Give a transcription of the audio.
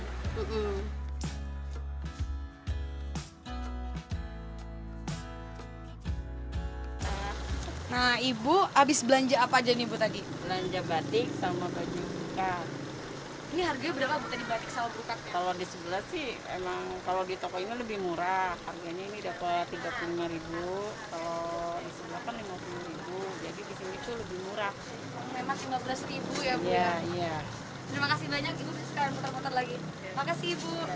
nah ibu habis belanja apa aja nih bu tadi belanja batik sama baju bukat ini harganya berapa bu tadi batik sama bukat kalau di sebelah sih emang kalau di toko ini lebih murah harganya ini dapat rp tiga puluh lima kalau di sebelah kan rp lima puluh jadi di sini tuh lebih murah memang rp lima belas ya bu ya iya terima kasih banyak ibu sekarang putar putar lagi makasih ibu